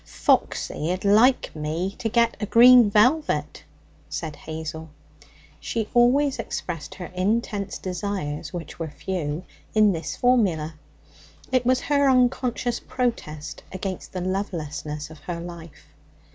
'Foxy'd like me to get a green velvet,' said Hazel. She always expressed her intense desires, which were few, in this formula. It was her unconscious protest against the lovelessness of her life.